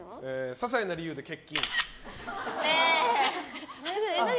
ささいな理由で欠勤。